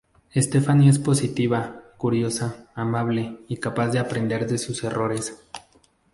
Stephanie es positiva, curiosa, amable, y capaz de aprender de sus errores.